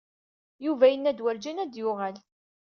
Yuba yenna-d werǧin ad d-yuɣal.